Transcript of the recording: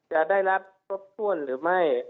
จะได้รับครบถ้วนหรือไม่